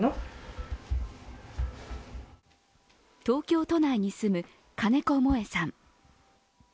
東京都内に住む金子萌さん。